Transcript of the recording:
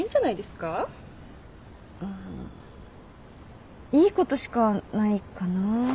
あいいことしかないかな。